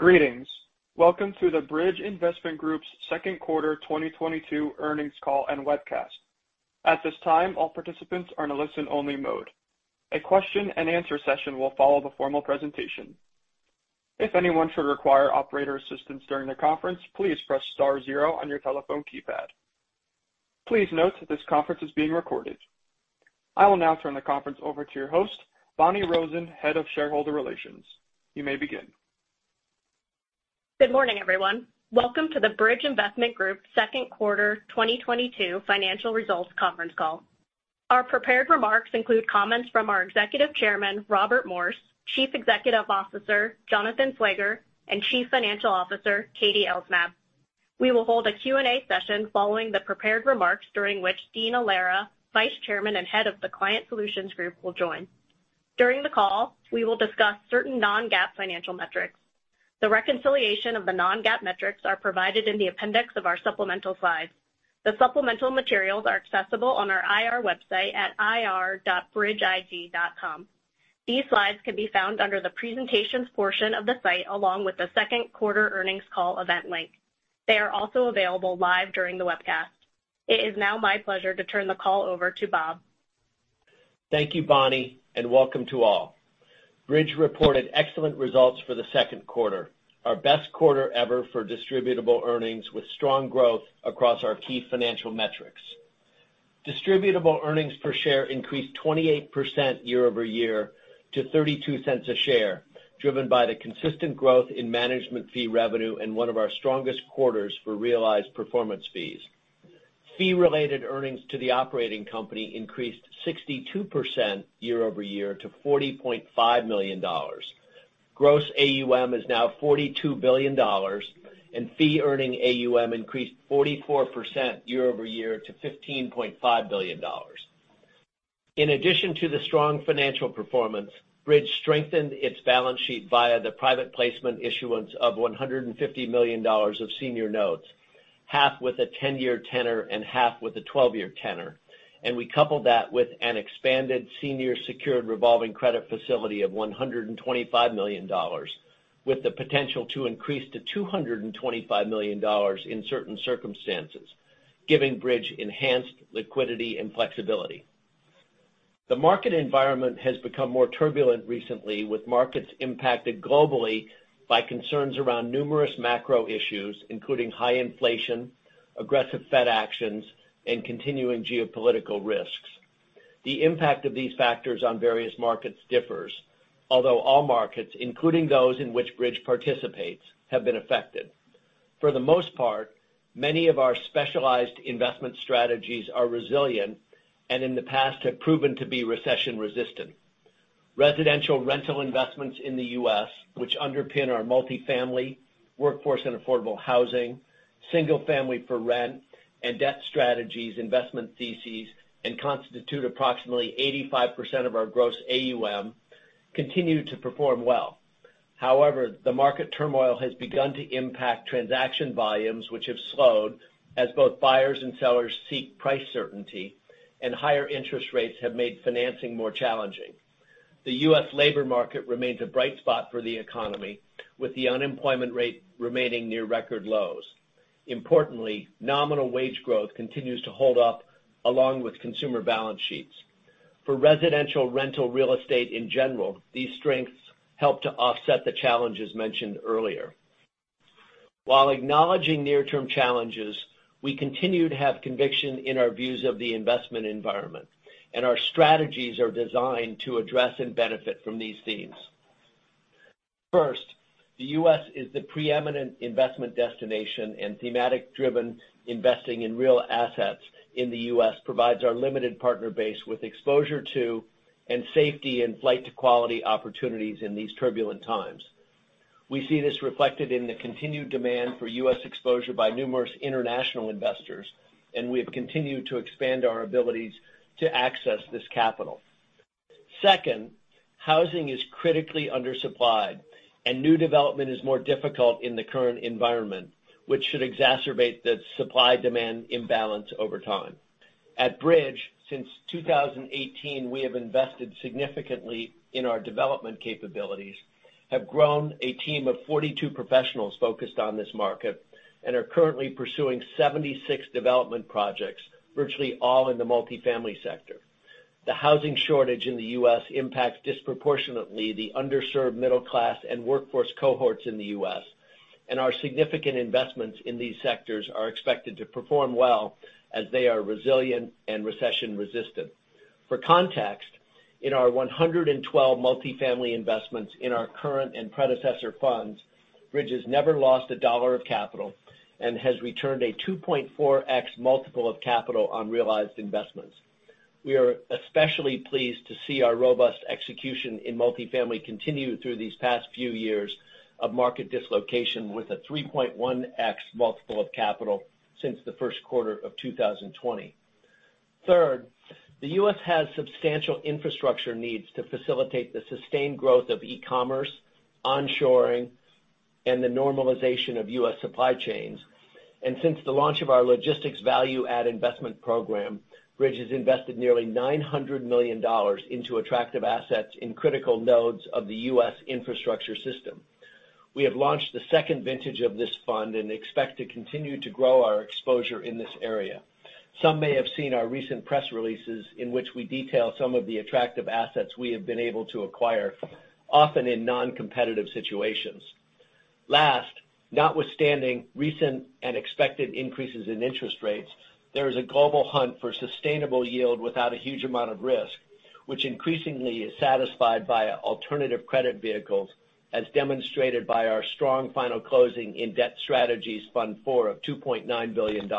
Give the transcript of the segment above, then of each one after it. Greetings. Welcome to the Bridge Investment Group's second quarter 2022 earnings call and webcast. At this time, all participants are in a listen-only mode. A question-and-answer session will follow the formal presentation. If anyone should require operator assistance during the conference, please press star zero on your telephone keypad. Please note that this conference is being recorded. I will now turn the conference over to your host, Bonni Rosen, Head of Shareholder Relations. You may begin. Good morning, everyone. Welcome to the Bridge Investment Group second quarter 2022 financial results conference call. Our prepared remarks include comments from our Executive Chairman, Robert Morse, Chief Executive Officer, Jonathan Slager, and Chief Financial Officer, Katie Elsnab. We will hold a Q&A session following the prepared remarks, during which Dean Allara, Vice Chairman and Head of the Client Solutions Group, will join. During the call, we will discuss certain non-GAAP financial metrics. The reconciliation of the non-GAAP metrics are provided in the appendix of our supplemental slides. The supplemental materials are accessible on our IR website at ir.bridgeig.com. These slides can be found under the presentations portion of the site, along with the second quarter earnings call event link. They are also available live during the webcast. It is now my pleasure to turn the call over to Bob. Thank you, Bonni, and welcome to all. Bridge reported excellent results for the second quarter, our best quarter ever for distributable earnings, with strong growth across our key financial metrics. Distributable earnings per share increased 28% year-over-year to $0.32 per share, driven by the consistent growth in management fee revenue and one of our strongest quarters for realized performance fees. Fee-related earnings to the operating company increased 62% year-over-year to $40.5 million. Gross AUM is now $42 billion, and fee-earning AUM increased 44% year-over-year to $15.5 billion. In addition to the strong financial performance, Bridge strengthened its balance sheet via the private placement issuance of $150 million of senior notes, half with a 10-year tenor and half with a 12-year tenor. We coupled that with an expanded senior secured revolving credit facility of $125 million, with the potential to increase to $225 million in certain circumstances, giving Bridge enhanced liquidity and flexibility. The market environment has become more turbulent recently, with markets impacted globally by concerns around numerous macro issues, including high inflation, aggressive Fed actions, and continuing geopolitical risks. The impact of these factors on various markets differs, although all markets, including those in which Bridge participates, have been affected. For the most part, many of our specialized investment strategies are resilient and in the past have proven to be recession resistant. Residential rental investments in the U.S., which underpin our multifamily, workforce and affordable housing, single-family for rent, and debt strategies investment theses, and constitute approximately 85% of our gross AUM, continued to perform well. However, the market turmoil has begun to impact transaction volumes, which have slowed as both buyers and sellers seek price certainty and higher interest rates have made financing more challenging. The U.S. labor market remains a bright spot for the economy, with the unemployment rate remaining near record lows. Importantly, nominal wage growth continues to hold up along with consumer balance sheets. For residential rental real estate in general, these strengths help to offset the challenges mentioned earlier. While acknowledging near-term challenges, we continue to have conviction in our views of the investment environment, and our strategies are designed to address and benefit from these themes. First, the U.S. is the preeminent investment destination, and thematic-driven investing in real assets in the U.S. provides our limited partner base with exposure to and safety in flight to quality opportunities in these turbulent times. We see this reflected in the continued demand for U.S. exposure by numerous international investors, and we have continued to expand our abilities to access this capital. Second, housing is critically undersupplied, and new development is more difficult in the current environment, which should exacerbate the supply-demand imbalance over time. At Bridge, since 2018, we have invested significantly in our development capabilities, have grown a team of 42 professionals focused on this market, and are currently pursuing 76 development projects, virtually all in the multifamily sector. The housing shortage in the U.S. impacts disproportionately the underserved middle class and workforce cohorts in the U.S., and our significant investments in these sectors are expected to perform well as they are resilient and recession resistant. For context: In our 112 multifamily investments in our current and predecessor funds, Bridge has never lost $1 of capital and has returned a 2.4x multiple of capital on realized investments. We are especially pleased to see our robust execution in multifamily continue through these past few years of market dislocation, with a 3.1x multiple of capital since the first quarter of 2020. Third, the U.S. has substantial infrastructure needs to facilitate the sustained growth of e-commerce, onshoring, and the normalization of U.S. supply chains. Since the launch of our logistics value-add investment program, Bridge has invested nearly $900 million into attractive assets in critical nodes of the U.S. infrastructure system. We have launched the second vintage of this fund and expect to continue to grow our exposure in this area. Some may have seen our recent press releases in which we detail some of the attractive assets we have been able to acquire, often in non-competitive situations. Lastly, notwithstanding recent and expected increases in interest rates, there is a global hunt for sustainable yield without a huge amount of risk, which increasingly is satisfied by alternative credit vehicles, as demonstrated by our strong final closing in Bridge Debt Strategies Fund IV of $2.9 billion,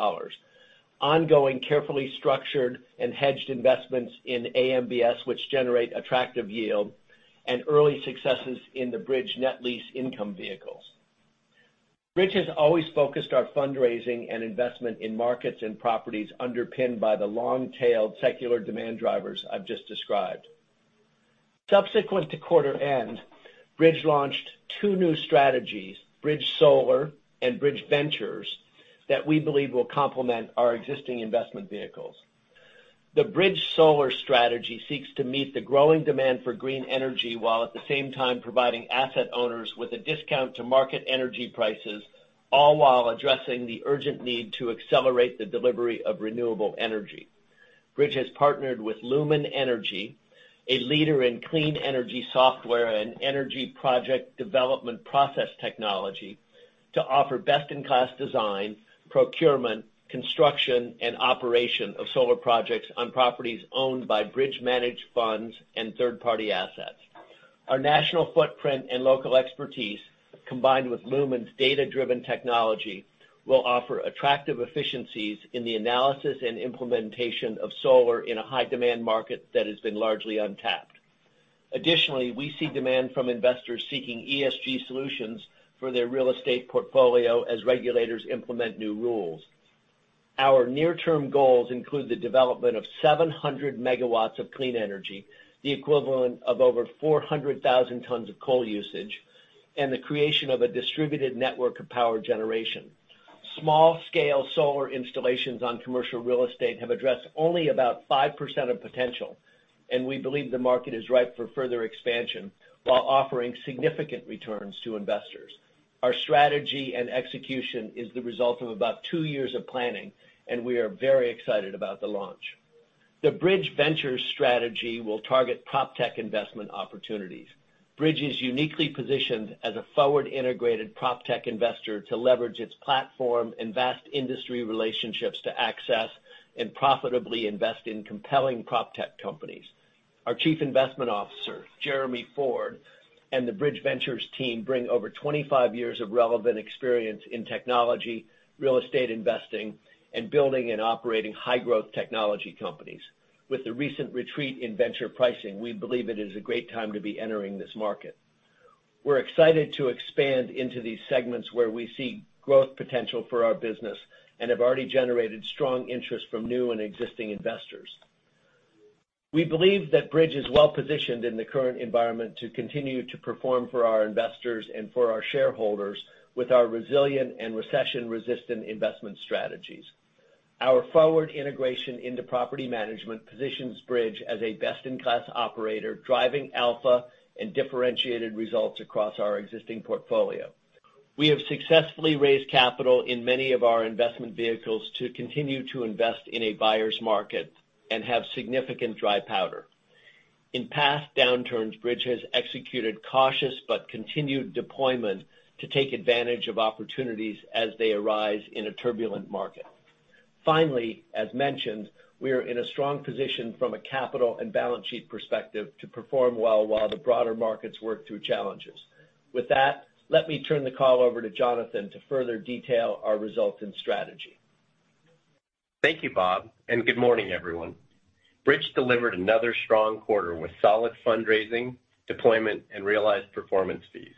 ongoing carefully structured and hedged investments in AMBS which generate attractive yield, and early successes in the Bridge net lease income vehicles. Bridge has always focused our fundraising and investment in markets and properties underpinned by the long-tailed secular demand drivers I've just described. Subsequent to quarter end, Bridge launched two new strategies, Bridge Solar and Bridge Ventures, that we believe will complement our existing investment vehicles. The Bridge Solar strategy seeks to meet the growing demand for green energy while at the same time providing asset owners with a discount to market energy prices, all while addressing the urgent need to accelerate the delivery of renewable energy. Bridge has partnered with Lumen Energy, a leader in clean energy software and energy project development process technology, to offer best-in-class design, procurement, construction, and operation of solar projects on properties owned by Bridge managed funds and third-party assets. Our national footprint and local expertise, combined with Lumen's data-driven technology, will offer attractive efficiencies in the analysis and implementation of solar in a high-demand market that has been largely untapped. Additionally, we see demand from investors seeking ESG solutions for their real estate portfolio as regulators implement new rules. Our near-term goals include the development of 700 MW of clean energy, the equivalent of over 400,000 tons of coal usage, and the creation of a distributed network of power generation. Small-scale solar installations on commercial real estate have addressed only about 5% of potential, and we believe the market is ripe for further expansion while offering significant returns to investors. Our strategy and execution is the result of about two years of planning, and we are very excited about the launch. The Bridge Ventures strategy will target proptech investment opportunities. Bridge is uniquely positioned as a forward-integrated proptech investor to leverage its platform and vast industry relationships to access and profitably invest in compelling proptech companies. Our Chief Investment Officer, Jeremy Ford, and the Bridge Ventures team bring over 25 years of relevant experience in technology, real estate investing, and building and operating high-growth technology companies. With the recent retreat in venture pricing, we believe it is a great time to be entering this market. We're excited to expand into these segments where we see growth potential for our business and have already generated strong interest from new and existing investors. We believe that Bridge is well positioned in the current environment to continue to perform for our investors and for our shareholders with our resilient and recession-resistant investment strategies. Our forward integration into property management positions Bridge as a best-in-class operator, driving alpha and differentiated results across our existing portfolio. We have successfully raised capital in many of our investment vehicles to continue to invest in a buyer's market and have significant dry powder. In past downturns, Bridge has executed cautious but continued deployment to take advantage of opportunities as they arise in a turbulent market. Finally, as mentioned, we are in a strong position from a capital and balance sheet perspective to perform well while the broader markets work through challenges. With that, let me turn the call over to Jonathan to further detail our results and strategy. Thank you, Bob, and good morning, everyone. Bridge delivered another strong quarter with solid fundraising, deployment, and realized performance fees.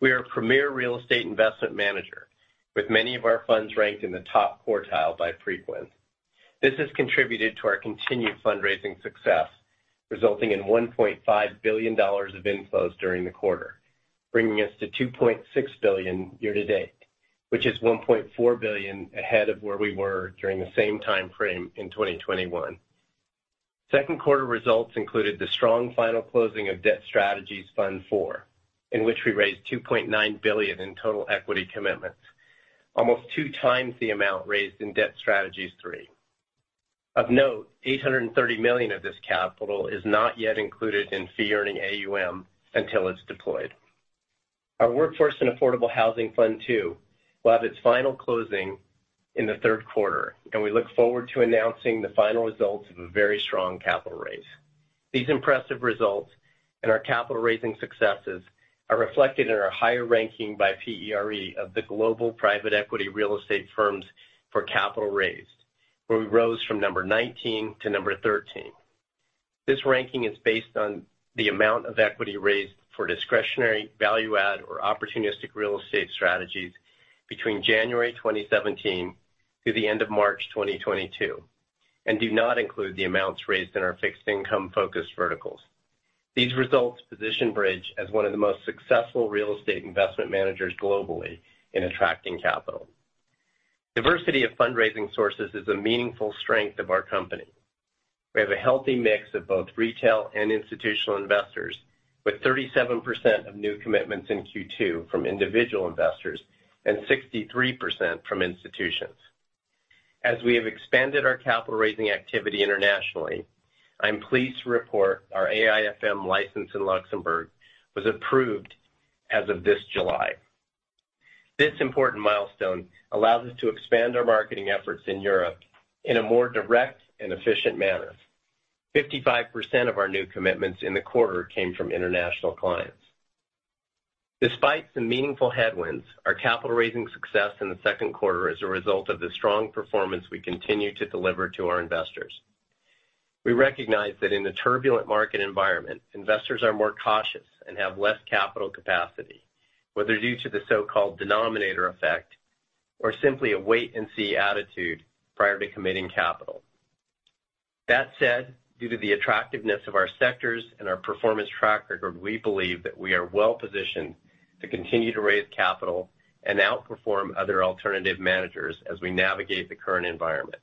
We are a premier real estate investment manager, with many of our funds ranked in the top quartile by Preqin. This has contributed to our continued fundraising success, resulting in $1.5 billion of inflows during the quarter, bringing us to $2.6 billion year-to-date, which is $1.4 billion ahead of where we were during the same time frame in 2021. Second quarter results included the strong final closing of Debt Strategies Fund IV, in which we raised $2.9 billion in total equity commitments, almost 2x the amount raised in Debt Strategies III. Of note, $830 million of this capital is not yet included in fee-earning AUM until it's deployed. Our Workforce and Affordable Housing Fund II will have its final closing in the third quarter, and we look forward to announcing the final results of a very strong capital raise. These impressive results and our capital-raising successes are reflected in our higher ranking by PERE of the global private equity real estate firms for capital raised, where we rose from number 19 to number 13. This ranking is based on the amount of equity raised for discretionary, value-add, or opportunistic real estate strategies between January 2017 through the end of March 2022, and do not include the amounts raised in our fixed income focused verticals. These results position Bridge as one of the most successful real estate investment managers globally in attracting capital. Diversity of fundraising sources is a meaningful strength of our company. We have a healthy mix of both retail and institutional investors, with 37% of new commitments in Q2 from individual investors and 63% from institutions. As we have expanded our capital-raising activity internationally, I'm pleased to report our AIFM license in Luxembourg was approved as of this July. This important milestone allows us to expand our marketing efforts in Europe in a more direct and efficient manner. 55% of our new commitments in the quarter came from international clients. Despite some meaningful headwinds, our capital raising success in the second quarter is a result of the strong performance we continue to deliver to our investors. We recognize that in a turbulent market environment, investors are more cautious and have less capital capacity, whether due to the so-called denominator effect or simply a wait-and-see attitude prior to committing capital. That said, due to the attractiveness of our sectors and our performance track record, we believe that we are well positioned to continue to raise capital and outperform other alternative managers as we navigate the current environment.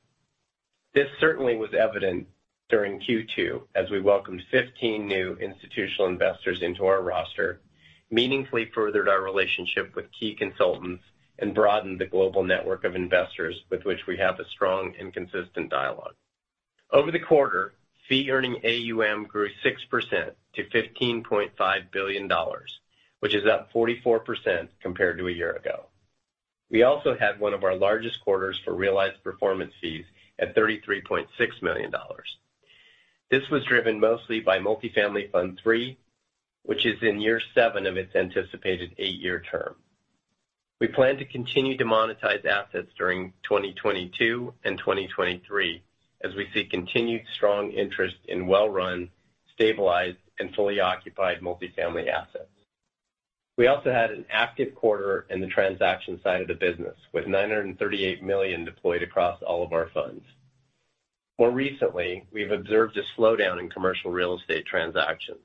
This certainly was evident during Q2 as we welcomed 15 new institutional investors into our roster, meaningfully furthered our relationship with key consultants, and broadened the global network of investors with which we have a strong and consistent dialogue. Over the quarter, fee-earning AUM grew 6% to $15.5 billion, which is up 44% compared to a year ago. We also had one of our largest quarters for realized performance fees at $33.6 million. This was driven mostly by Multifamily Fund III, which is in year seven of its anticipated eight-year term. We plan to continue to monetize assets during 2022 and 2023 as we see continued strong interest in well-run, stabilized, and fully occupied multifamily assets. We also had an active quarter in the transaction side of the business, with $938 million deployed across all of our funds. More recently, we've observed a slowdown in commercial real estate transactions.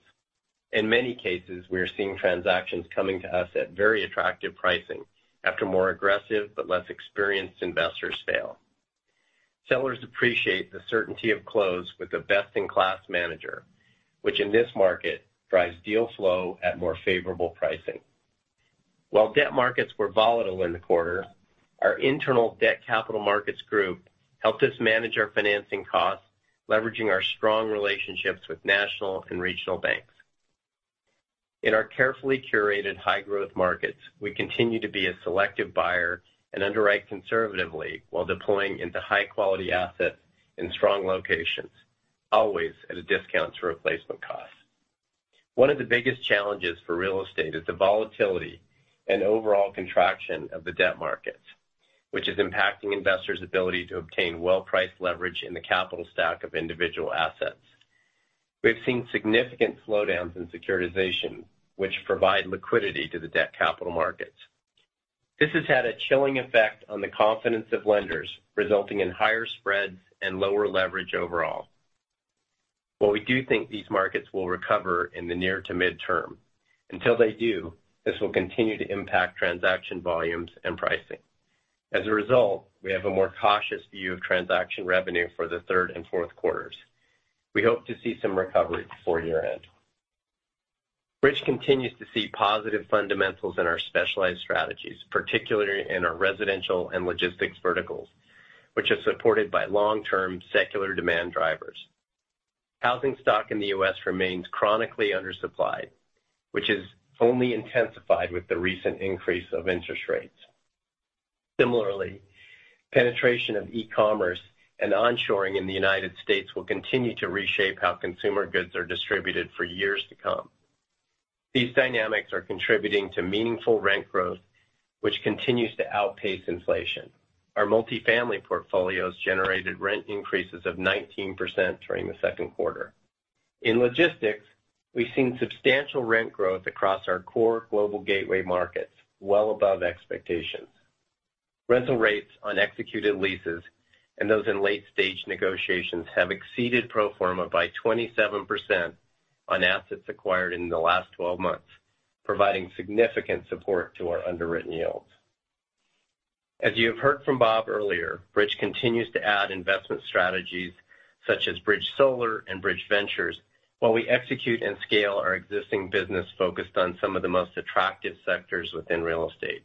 In many cases, we are seeing transactions coming to us at very attractive pricing after more aggressive but less-experienced investors fail. Sellers appreciate the certainty of close with a best-in-class manager, which in this market drives deal flow at more favorable pricing. While debt markets were volatile in the quarter, our internal debt capital markets group helped us manage our financing costs, leveraging our strong relationships with national and regional banks. In our carefully curated high-growth markets, we continue to be a selective buyer and underwrite conservatively while deploying into high-quality assets in strong locations, always at a discount to replacement costs. One of the biggest challenges for real estate is the volatility and overall contraction of the debt markets, which is impacting investors' ability to obtain well-priced leverage in the capital stack of individual assets. We've seen significant slowdowns in securitization, which provide liquidity to the debt capital markets. This has had a chilling effect on the confidence of lenders, resulting in higher spreads and lower leverage overall. While we do think these markets will recover in the near to mid term, until they do, this will continue to impact transaction volumes and pricing. As a result, we have a more cautious view of transaction revenue for the third and fourth quarters. We hope to see some recovery before year-end. Bridge continues to see positive fundamentals in our specialized strategies, particularly in our residential and logistics verticals, which are supported by long-term secular demand drivers. Housing stock in the U.S. remains chronically undersupplied, which has only intensified with the recent increase of interest rates. Similarly, penetration of e-commerce and onshoring in the United States will continue to reshape how consumer goods are distributed for years to come. These dynamics are contributing to meaningful rent growth, which continues to outpace inflation. Our multifamily portfolios generated rent increases of 19% during the second quarter. In logistics, we've seen substantial rent growth across our core global gateway markets well above expectations. Rental rates on executed leases and those in late-stage negotiations have exceeded pro forma by 27% on assets acquired in the last 12 months, providing significant support to our underwritten yields. As you have heard from Bob earlier, Bridge continues to add investment strategies such as Bridge Solar and Bridge Ventures while we execute and scale our existing business focused on some of the most attractive sectors within real estate.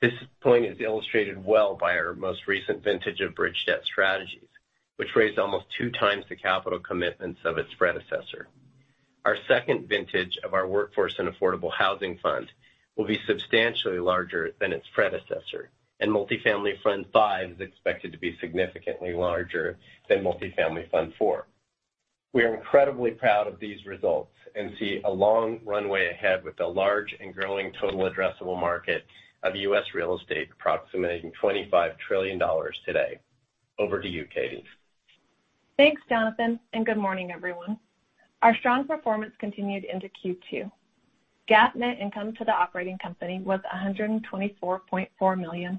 This point is illustrated well by our most recent vintage of Bridge Debt Strategies, which raised almost two times the capital commitments of its predecessor. Our second vintage of our Workforce and Affordable Housing Fund will be substantially larger than its predecessor, and Multifamily Fund V is expected to be significantly larger than Multifamily Fund IV. We are incredibly proud of these results and see a long runway ahead, with the large and growing total addressable market of U.S. real estate approximating $25 trillion today. Over to you, Katie. Thanks, Jonathan, and good morning, everyone. Our strong performance continued into Q2. GAAP net income to the operating company was $124.4 million,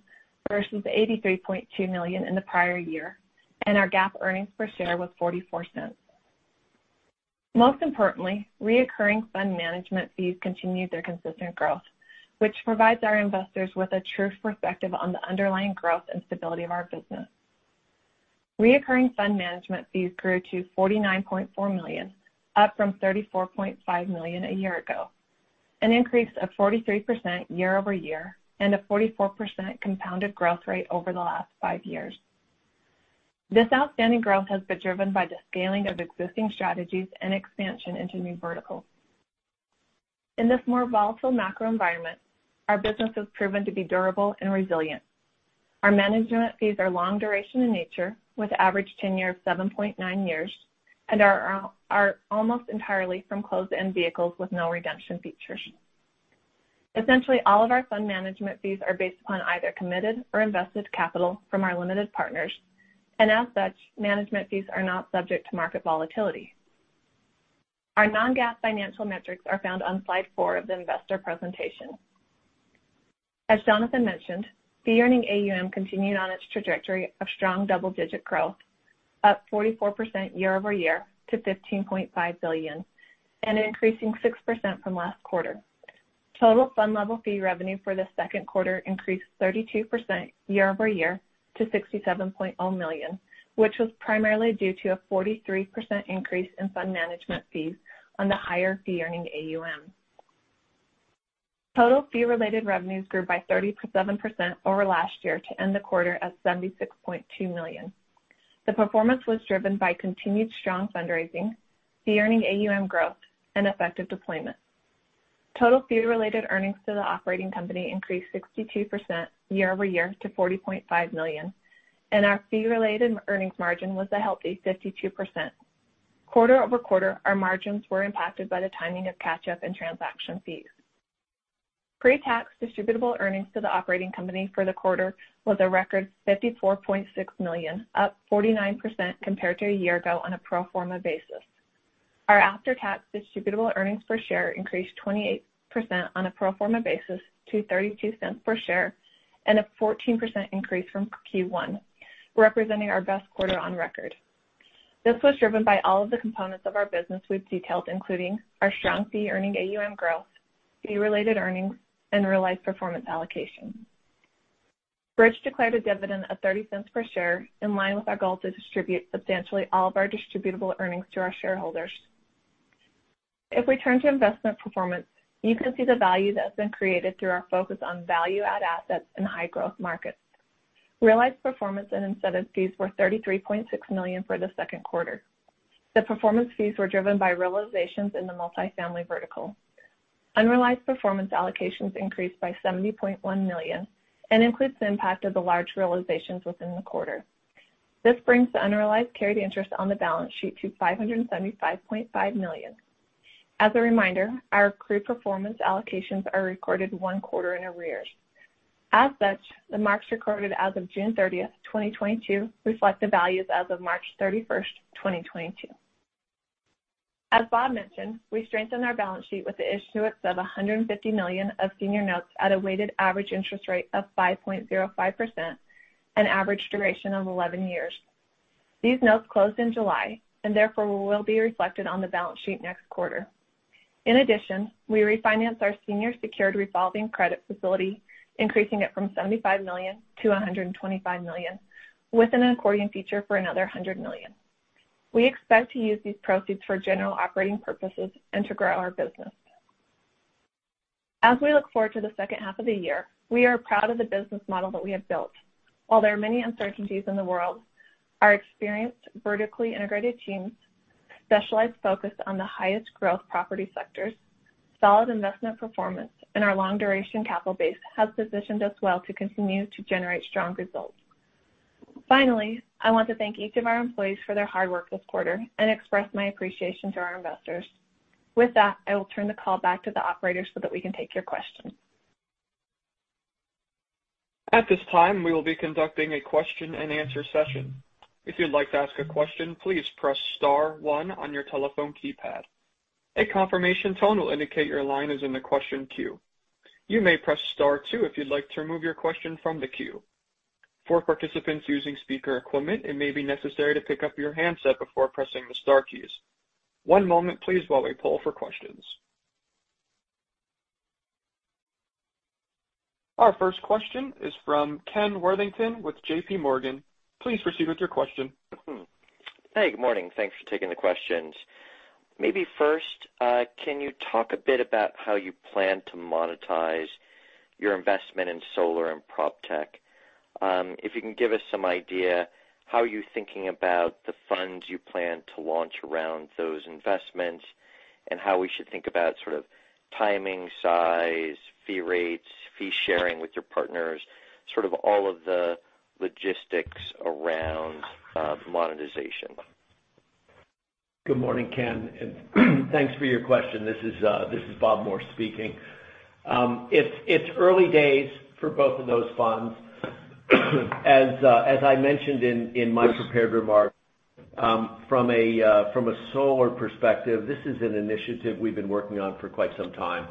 versus $83.2 million in the prior year, and our GAAP earnings per share was $0.44. Most importantly, recurring fund management fees continued their consistent growth, which provides our investors with a true perspective on the underlying growth and stability of our business. Recurring fund management fees grew to $49.4 million, up from $34.5 million a year ago, an increase of 43% year-over-year and a 44% compounded growth rate over the last five years. This outstanding growth has been driven by the scaling of existing strategies and expansion into new verticals. In this more volatile macro environment, our business has proven to be durable and resilient. Our management fees are long duration in nature, with average tenure of 7.9 years, and are almost entirely from closed-end vehicles with no redemption features. Essentially, all of our fund management fees are based upon either committed or invested capital from our limited partners, and as such, management fees are not subject to market volatility. Our non-GAAP financial metrics are found on slide four of the investor presentation. As Jonathan Slager mentioned, the fee-earning AUM continued on its trajectory of strong double-digit growth, up 44% year-over-year to $15.5 billion, and increasing 6% from last quarter. Total fund-level fee revenue for the second quarter increased 32% year-over-year to $67.0 million, which was primarily due to a 43% increase in fund management fees on the higher fee-earning AUM. Total fee-related revenues grew by 37% over last year to end the quarter at $76.2 million. The performance was driven by continued strong fundraising, fee-earning AUM growth, and effective deployment. Total fee-related earnings to the operating company increased 62% year-over-year to $40.5 million, and our fee-related earnings margin was a healthy 52%. Quarter-over-quarter, our margins were impacted by the timing of catch-up and transaction fees. Pre-tax distributable earnings to the operating company for the quarter was a record $54.6 million, up 49% compared to a year ago on a pro forma basis. Our after-tax distributable earnings per share increased 28% on a pro forma basis to $0.32 per share, and a 14% increase from Q1, representing our best quarter on record. This was driven by all of the components of our business we've detailed, including our strong fee-earning AUM growth, fee-related earnings, and realized performance allocation. Bridge declared a dividend of $0.30 per share, in line with our goal to distribute substantially all of our distributable earnings to our shareholders. If we turn to investment performance, you can see the value that's been created through our focus on value-add assets in high-growth markets. Realized performance and incentive fees were $33.6 million for the second quarter. The performance fees were driven by realizations in the multifamily vertical. Unrealized performance allocations increased by $70.1 million and includes the impact of the large realizations within the quarter. This brings the unrealized carried interest on the balance sheet to $575.5 million. As a reminder, our accrued performance allocations are recorded one quarter in arrears. As such, the marks recorded as of June 30th, 2022, reflect the values as of March 31st, 2022. As Bob mentioned, we strengthened our balance sheet with the issuance of $150 million of senior notes at a weighted average interest rate of 5.05% and average duration of 11 years. These notes closed in July and therefore will be reflected on the balance sheet next quarter. In addition, we refinanced our senior secured revolving credit facility, increasing it from $75 million to $125 million, with an accordion feature for another $100 million. We expect to use these proceeds for general operating purposes and to grow our business. As we look forward to the second half of the year, we are proud of the business model that we have built. While there are many uncertainties in the world, our experienced, vertically integrated teams, specialized focus on the highest-growth property sectors, solid investment performance, and our long-duration capital base has positioned us well to continue to generate strong results. Finally, I want to thank each of our employees for their hard work this quarter and express my appreciation to our investors. With that, I will turn the call back to the operator so that we can take your questions. At this time, we will be conducting a question-and-answer session. If you'd like to ask a question, please press star one on your telephone keypad. A confirmation tone will indicate your line is in the question queue. You may press star two if you'd like to remove your question from the queue. For participants using speaker equipment, it may be necessary to pick up your handset before pressing the star keys. One moment please while we poll for questions. Our first question is from Ken Worthington with JPMorgan. Please proceed with your question. Hey, good morning. Thanks for taking the questions. Maybe, first, can you talk a bit about how you plan to monetize your investment in solar and proptech? If you can give us some idea how you're thinking about the funds you plan to launch around those investments and how we should think about sort of timing, size, fee rates, fee sharing with your partners, sort of all of the logistics around monetization. Good morning, Ken, and thanks for your question. This is Robert Morse speaking. It's early days for both of those funds. As I mentioned in my prepared remarks, from a solar perspective, this is an initiative we've been working on for quite some time.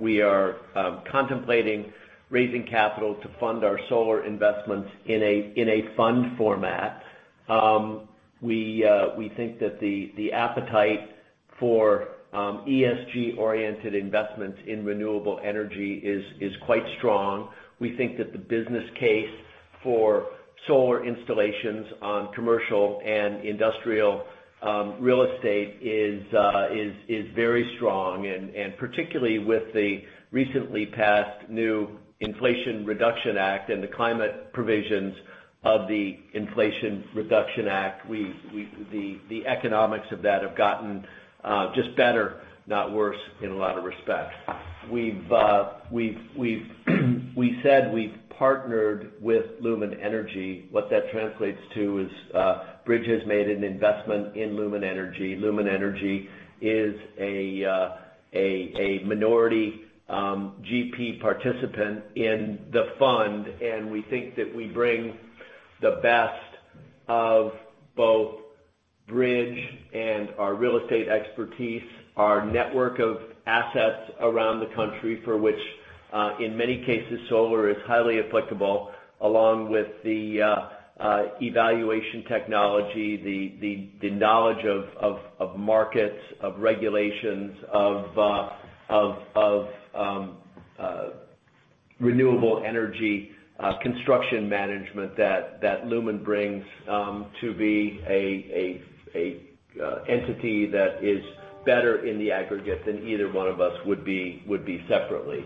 We are contemplating raising capital to fund our solar investments in a fund format. We think that the appetite for ESG-oriented investments in renewable energy is quite strong. We think that the business case for solar installations on commercial and industrial real estate is very strong, and particularly with the recently passed new Inflation Reduction Act and the climate provisions of the Inflation Reduction Act, the economics of that have gotten just better, not worse, in a lot of respects. We said we've partnered with Lumen Energy. What that translates to is Bridge has made an investment in Lumen Energy. Lumen Energy is a minority GP participant in the fund, and we think that we bring the best of both Bridge and our real estate expertise, our network of assets around the country for which in many cases solar is highly applicable, along with the evaluation technology, the knowledge of markets, of regulations, of renewable energy, construction management that Lumen brings to be a entity that is better in the aggregate than either one of us would be separately.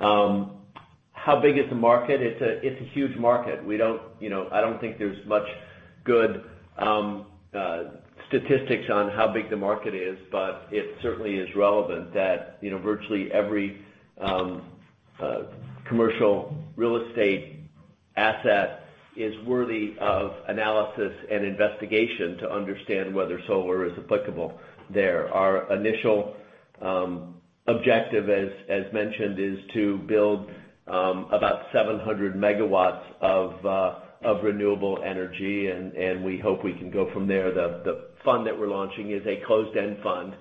How big is the market? It's a huge market. We don't. You know, I don't think there's much good statistics on how big the market is, but it certainly is relevant that, you know, virtually every commercial real estate asset is worthy of analysis and investigation to understand whether solar is applicable there. Our initial objective, as mentioned, is to build about 700 MW of renewable energy, and we hope we can go from there. The fund that we're launching is a closed-end fund,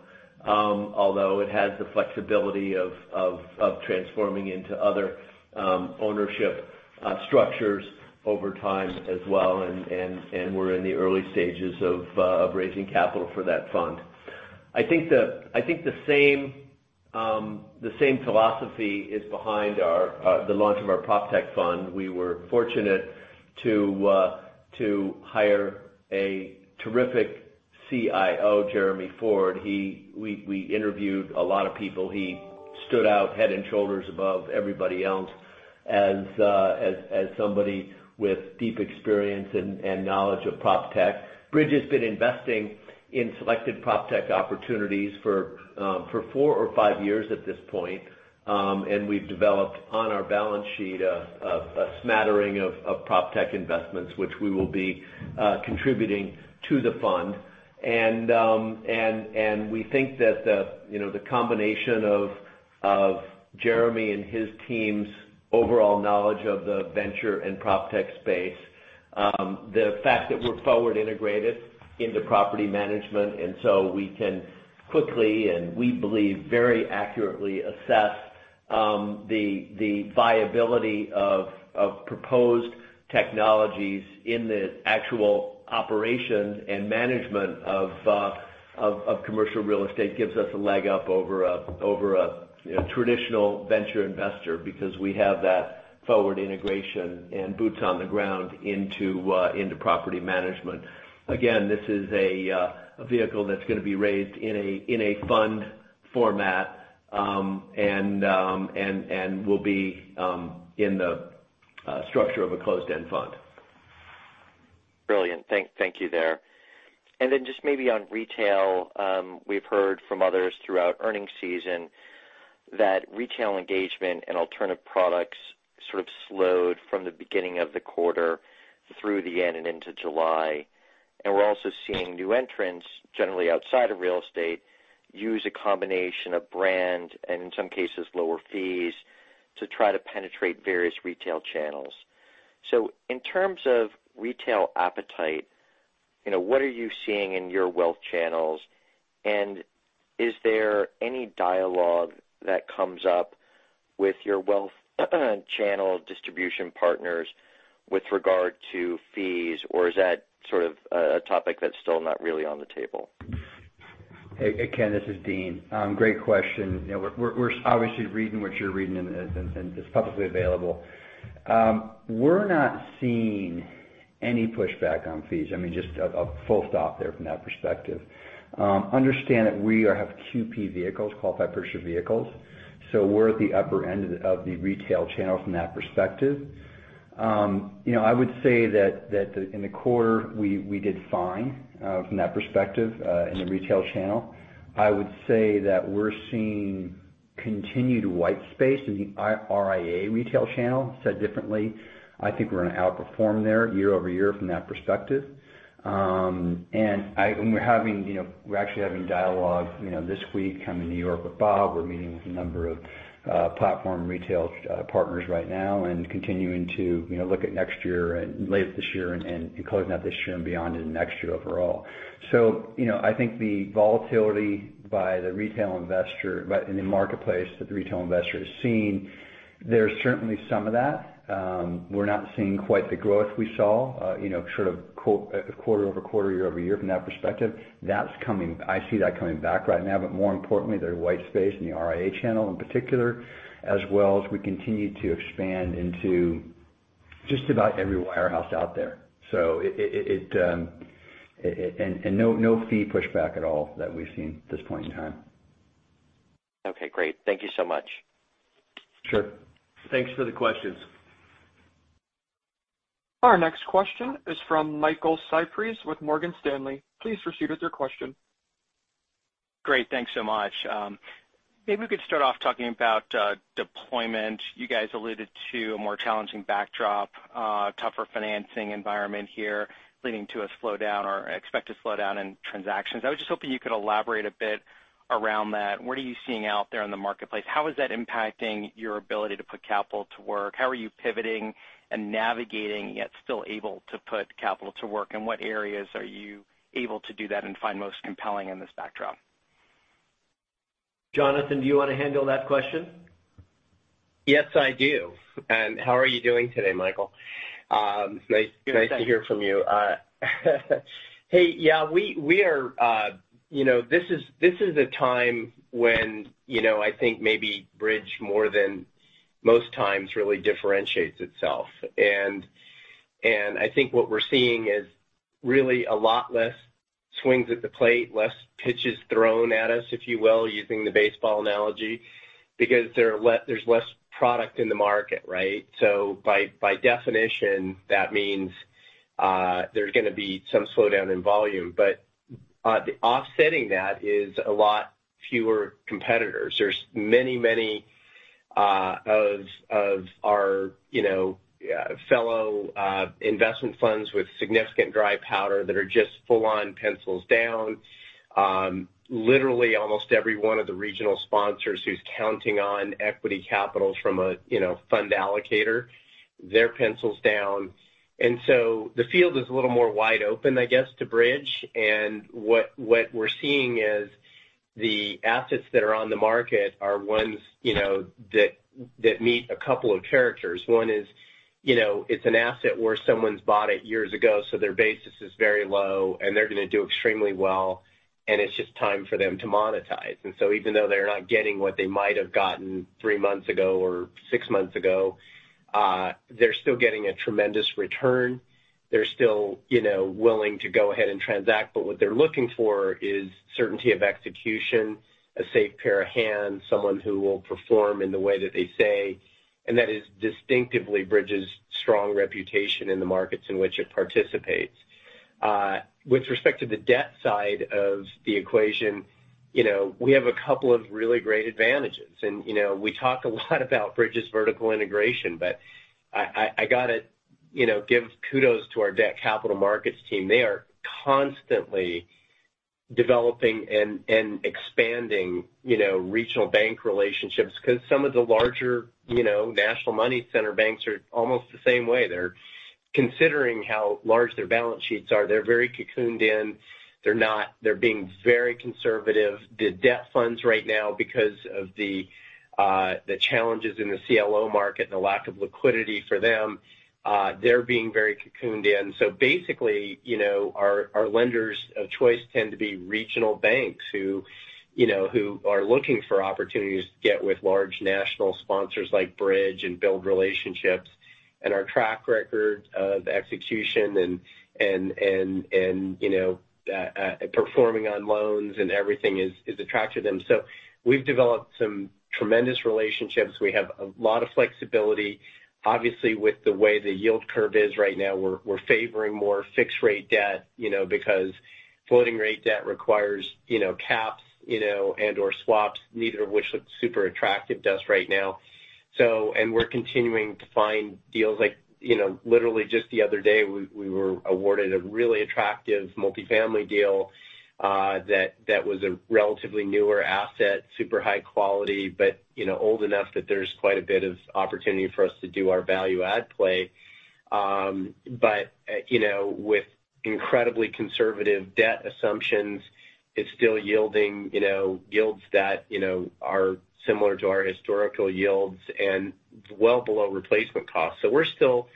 although it has the flexibility of transforming into other ownership structures over time as well. We're in the early stages of raising capital for that fund. I think the same philosophy is behind the launch of our proptech fund. We were fortunate to hire a terrific CIO, Jeremy Ford. We interviewed a lot of people. He stood out head and shoulders above everybody else as somebody with deep experience and knowledge of proptech. Bridge has been investing in selected proptech opportunities for four or five years at this point. We've developed on our balance sheet a smattering of proptech investments which we will be contributing to the fund. We think that, you know, the combination of Jeremy and his team's overall knowledge of the venture and proptech space, the fact that we're forward integrated into property management and so we can quickly and, we believe, very accurately assess the viability of proposed technologies in the actual operation and management of commercial real estate gives us a leg up over a traditional venture investor because we have that forward integration and boots on the ground into property management. Again, this is a vehicle that's gonna be raised in a fund format and will be in the structure of a closed-end fund. Brilliant. Thank you there. Then just maybe on retail, we've heard from others throughout earnings season that retail engagement in alternative products sort of slowed from the beginning of the quarter through the end and into July. We're also seeing new entrants, generally outside of real estate, use a combination of brand and, in some cases, lower fees to try to penetrate various retail channels. In terms of retail appetite, you know, what are you seeing in your wealth channels? Is there any dialogue that comes up with your wealth channel distribution partners with regard to fees, or is that sort of a topic that's still not really on the table? Hey, Ken, this is Dean. Great question. You know, we're obviously reading what you're reading and it's publicly available. We're not seeing any pushback on fees. I mean just a full stop there from that perspective. Understand that we have QP vehicles, qualified purchaser vehicles, so we're at the upper end of the retail channel from that perspective. You know, I would say that in the quarter, we did fine from that perspective in the retail channel. I would say that we're seeing continued white space in the RIA retail channel. Said differently, I think we're gonna outperform there year-over-year from that perspective. We're having, you know, we're actually having dialogue, you know, this week, coming to New York with Bob. We're meeting with a number of platform retail partners right now and continuing to, you know, look at next year and late this year and closing out this year and beyond into next year overall. You know, I think the volatility by the retail investor in the marketplace that the retail investor is seeing, there's certainly some of that. We're not seeing quite the growth we saw, you know, sort of quarter-over-quarter, year-over-year from that perspective. That's coming. I see that coming back right now. More importantly, there are white space in the RIA channel in particular, as well as we continue to expand into just about every wirehouse out there. No fee pushback at all that we've seen at this point in time. Okay, great. Thank you so much. Sure. Thanks for the questions. Our next question is from Michael Cyprys with Morgan Stanley. Please proceed with your question. Great. Thanks so much. Maybe we could start off talking about deployment. You guys alluded to a more challenging backdrop, tougher financing environment here leading to a slowdown or expected slowdown in transactions. I was just hoping you could elaborate a bit around that. What are you seeing out there in the marketplace? How is that impacting your ability to put capital to work? How are you pivoting and navigating yet still able to put capital to work? In what areas are you able to do that and find most compelling in this backdrop? Jonathan, do you wanna handle that question? Yes, I do. How are you doing today, Michael? It's nice to hear from you. Hey, yeah, we are, you know, this is a time when, you know, I think maybe Bridge, more than most times, really differentiates itself. I think what we're seeing is really a lot less swings at the plate, less pitches thrown at us, if you will, using the baseball analogy, because there's less product in the market, right? By definition, that means there's gonna be some slowdown in volume. Offsetting that is a lot fewer competitors. There's many of our, you know, fellow investment funds with significant dry powder that are just full-on pencils down. Literally almost every one of the regional sponsors who's counting on equity capital from a, you know, fund allocator, they're pencils down. The field is a little more wide open, I guess, to Bridge. What we're seeing is the assets that are on the market are ones, you know, that meet a couple of characters. One is, you know, it's an asset where someone's bought it years ago so their basis is very low, and they're gonna do extremely well, and it's just time for them to monetize. Even though they're not getting what they might have gotten three months ago or six months ago, they're still getting a tremendous return. They're still, you know, willing to go ahead and transact. What they're looking for is certainty of execution, a safe pair of hands, someone who will perform in the way that they say, and that is distinctively Bridge's strong reputation in the markets in which it participates. With respect to the debt side of the equation, you know, we have a couple of really great advantages. You know, we talk a lot about Bridge's vertical integration, but I gotta, you know, give kudos to our debt capital markets team. They are constantly developing and expanding, you know, regional bank relationships because some of the larger, you know, national money center banks are almost the same way. They're considering how large their balance sheets are. They're very cocooned in. They're being very conservative. The debt funds right now, because of the challenges in the CLO market and the lack of liquidity for them, they're being very cocooned in. Basically, you know, our lenders of choice tend to be regional banks who, you know, who are looking for opportunities to get with large national sponsors like Bridge and build relationships. Our track record of execution and performing on loans and everything is attractive to them. We've developed some tremendous relationships. We have a lot of flexibility. Obviously, with the way the yield curve is right now, we're favoring more fixed-rate debt, you know, because floating-rate debt requires, you know, caps, you know, and/or swaps, neither of which look super attractive to us right now. We're continuing to find deals. Like, you know, literally just the other day, we were awarded a really attractive multifamily deal that was a relatively newer asset, super high quality but, you know, old enough that there's quite a bit of opportunity for us to do our value-add play. But, you know, with incredibly conservative debt assumptions, it's still yielding yields that, you know, are similar to our historical yields and well below replacement costs. We're still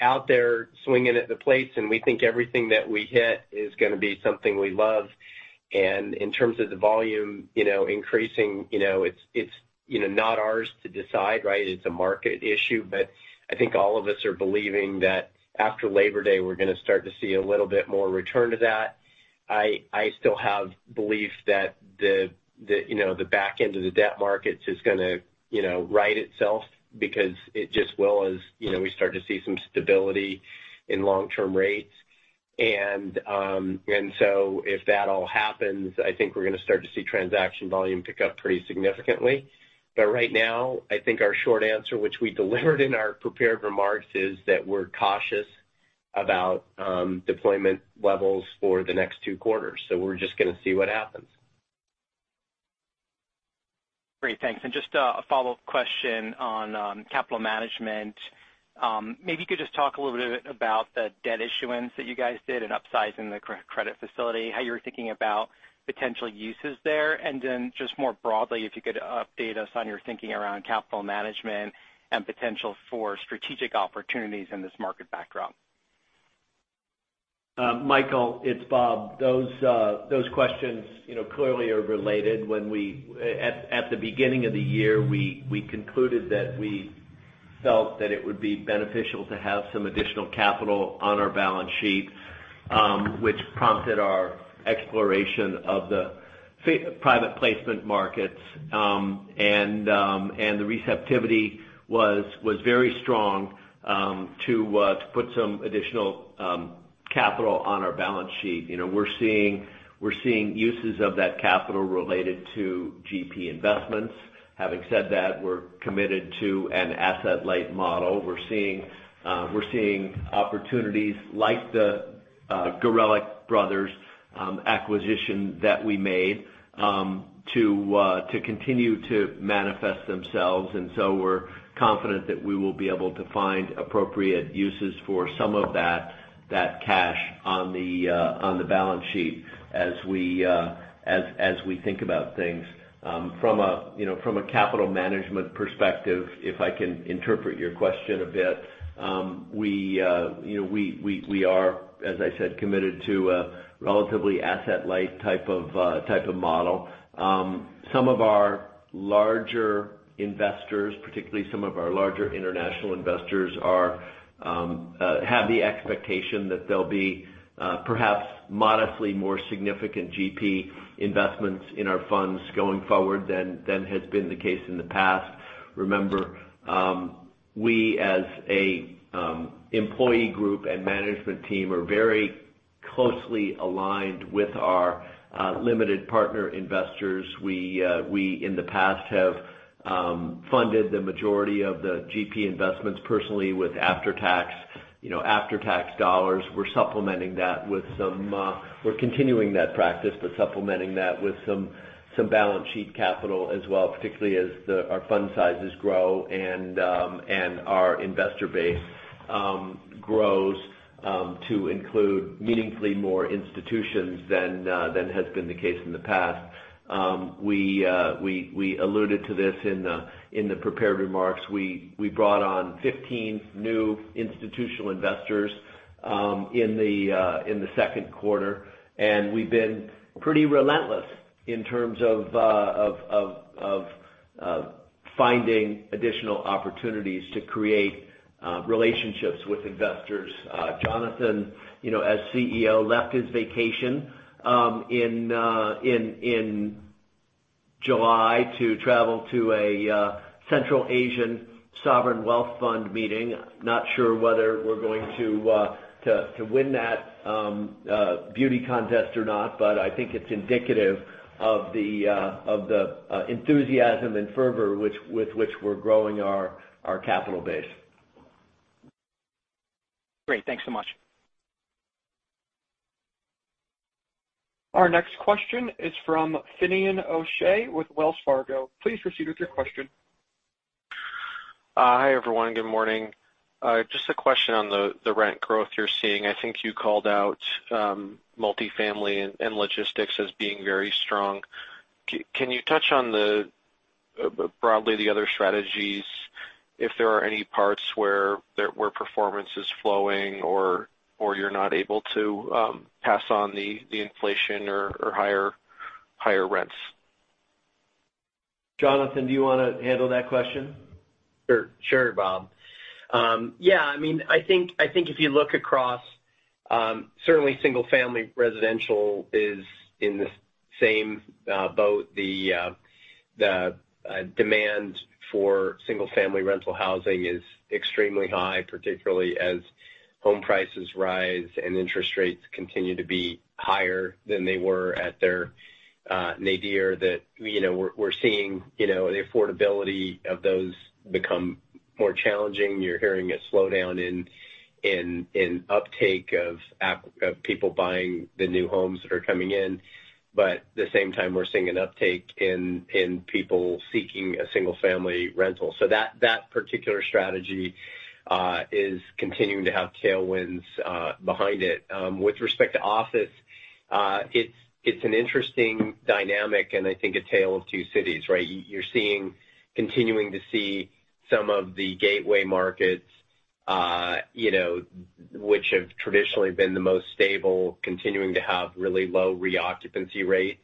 out there swinging at the plates, and we think everything that we hit is gonna be something we love. In terms of the volume increasing, you know, it's not ours to decide, right? It's a market issue. I think all of us are believing that, after Labor Day, we're gonna start to see a little bit more return to that. I still have belief that the, you know, the back end of the debt markets is gonna, you know right itself because it just will as, you know, we start to see some stability in long-term rates. If that all happens, I think we're gonna start to see transaction volume pick up pretty significantly. Right now, I think our short answer, which we delivered in our prepared remarks, is that we're cautious about deployment levels for the next two quarters, so we're just gonna see what happens. Great. Thanks. Just a follow-up question on capital management. Maybe you could just talk a little bit about the debt issuance that you guys did and upsizing the credit facility, how you're thinking about potential uses there. Just more broadly, if you could update us on your thinking around capital management and potential for strategic opportunities in this market backdrop. Michael, it's Bob Morse. Those questions, you know, clearly are related. When at the beginning of the year, we concluded that we felt that it would be beneficial to have some additional capital on our balance sheet, which prompted our exploration of the private placement markets. The receptivity was very strong to put some additional capital on our balance sheet. You know, we're seeing uses of that capital related to GP investments. Having said that, we're committed to an asset-light model. We're seeing opportunities like the Gorelick Brothers acquisition that we made to continue to manifest themselves. We're confident that we will be able to find appropriate uses for some of that cash on the balance sheet as we think about things. From a capital management perspective, if I can interpret your question a bit, we, you know, we are, as I said, committed to a relatively asset-light type of model. Some of our larger investors, particularly some of our larger international investors, have the expectation that there'll be perhaps modestly more significant GP investments in our funds going forward than has been the case in the past. Remember we as a employee group and management team are very closely aligned with our limited partner investors. We in the past have funded the majority of the GP investments personally with after-tax, you know, after-tax dollars. We're continuing that practice but supplementing that with some balance sheet capital as well, particularly as our fund sizes grow and our investor base grows to include meaningfully more institutions than has been the case in the past. We alluded to this in the prepared remarks. We brought on 15 new institutional investors in the second quarter, and we've been pretty relentless in terms of finding additional opportunities to create relationships with investors. Jonathan, you know, as CEO, left his vacation in July to travel to a Central Asian sovereign wealth fund meeting. Not sure whether we're going to win that beauty contest or not, but I think it's indicative of the enthusiasm and fervor with which we're growing our capital base. Great. Thanks so much. Our next question is from Finian O'Shea with Wells Fargo. Please proceed with your question. Hi, everyone. Good morning. Just a question on the rent growth you're seeing. I think you called out multifamily and logistics as being very strong. Can you touch on broadly the other strategies, if there are any parts where performance is flowing or you're not able to pass on the inflation or higher rents? Jonathan, do you wanna handle that question? Sure, Bob. Yeah, I mean, I think if you look across, certainly single-family residential is in the same boat. The demand for single-family rental housing is extremely high, particularly as home prices rise and interest rates continue to be higher than they were at their nadir that, you know, we're seeing, you know, the affordability of those become more challenging. You're hearing a slowdown in uptake of people buying the new homes that are coming in, but at the same time, we're seeing an uptake in people seeking a single-family rental. That particular strategy is continuing to have tailwinds behind it. With respect to office, it's an interesting dynamic and, I think, a tale of two cities, right? You're seeing, continuing to see some of the gateway markets, you know, which have traditionally been the most stable continuing to have really low re-occupancy rates.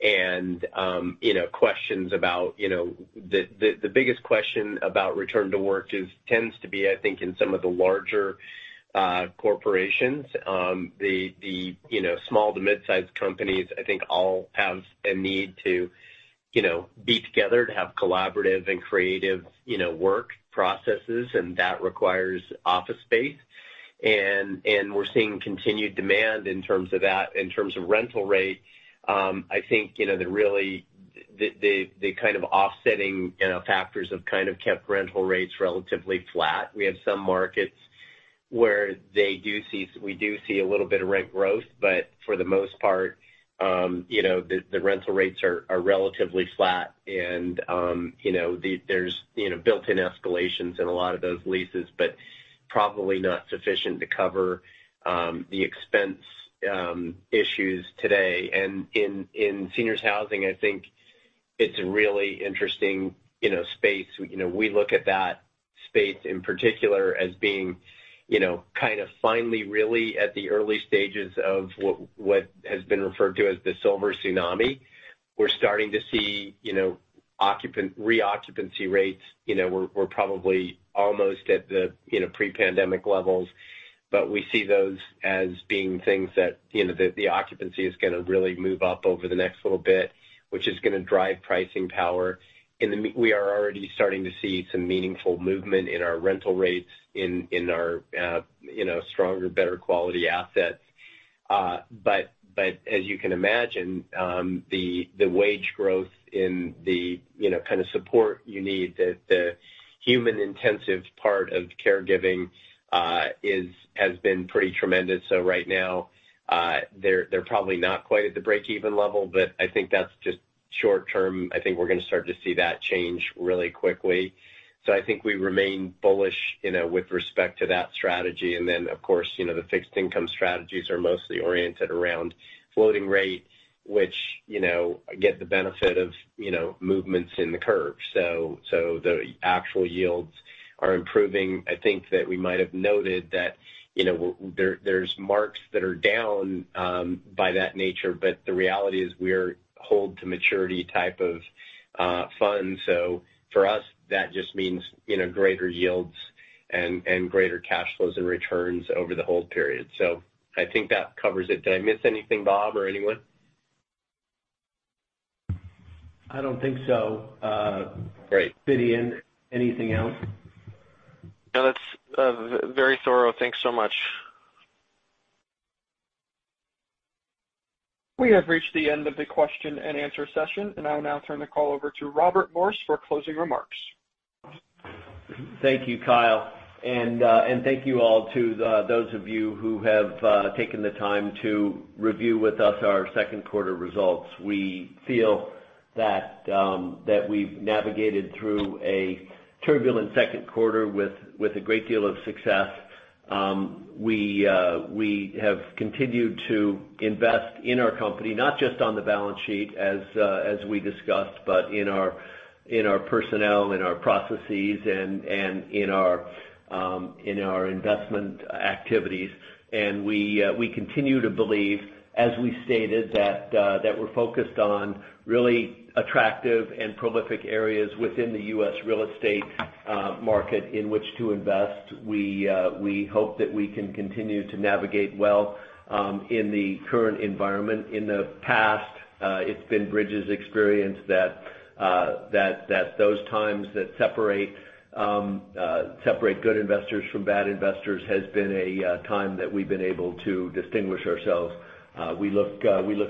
You know, questions about, you know, the biggest question about return to work is tends to be, I think, in some of the larger corporations. The, you know, small to mid-sized companies, I think, all have a need to, you know, be together to have collaborative and creative, you know, work processes, and that requires office space. We're seeing continued demand in terms of that. In terms of rental rate, I think, you know, the really the kind of offsetting, you know, factors have kind of kept rental rates relatively flat. We have some markets where we do see a little bit of rent growth. For the most part, you know, the rental rates are relatively flat and, you know, there's, you know, built-in escalations in a lot of those leases but probably not sufficient to cover the expense issues today. In seniors housing, I think it's a really interesting, you know, space. You know, we look at that space in particular as being, you know, kind of finally really at the early stages of what has been referred to as the silver tsunami. We're starting to see, you know, re-occupancy rates. You know, we're probably almost at the, you know, pre-pandemic levels. We see those as being things that, you know, the occupancy is gonna really move up over the next little bit, which is gonna drive pricing power. We are already starting to see some meaningful movement in our rental rates in our stronger, better-quality assets, but as you can imagine, the wage growth in the kind of support you need, the human-intensive part of caregiving, has been pretty tremendous. So right now, they're probably not quite at the break-even level, but I think that's just short term. I think we're gonna start to see that change really quickly, so I think we remain bullish, you know, with respect to that strategy. Of course, you know, the fixed income strategies are mostly oriented around floating rates, which, you know, get the benefit of movements in the curve. So the actual yields are improving. I think that we might have noted that, you know, there's marks that are down, by that nature. The reality is we're hold-to-maturity type of fund. For us, that just means, you know, greater yields and greater cash flows and returns over the hold period. I think that covers it. Did I miss anything, Bob or anyone? I don't think so. Great. Finian, anything else? No, that's very thorough. Thanks so much. We have reached the end of the question-and-answer session, and I'll now turn the call over to Robert Morse for closing remarks. Thank you, Kyle. Thank you all, to those of you who have taken the time to review with us our second quarter results. We feel that we've navigated through a turbulent second quarter with a great deal of success. We have continued to invest in our company, not just on the balance sheet, as we discussed, but in our personnel, in our processes, and in our investment activities. We continue to believe, as we stated, that we're focused on really attractive and prolific areas within the U.S. real estate market in which to invest. We hope that we can continue to navigate well in the current environment. In the past, it's been Bridge's experience that those times that separate good investors from bad investors has been a time that we've been able to distinguish ourselves. We look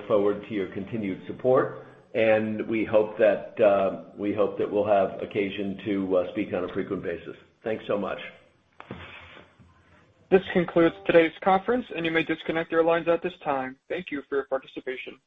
forward to your continued support, and we hope that we'll have occasion to speak on a frequent basis. Thanks so much. This concludes today's conference, and you may disconnect your lines at this time. Thank you for your participation.